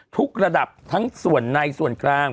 ทุกระดับทั้งส่วนในส่วนกลาง